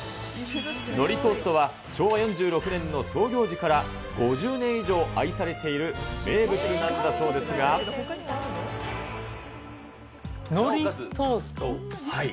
のりトーストは昭和４６年の創業時から５０年以上愛されている名のりトースト？